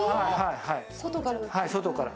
外から。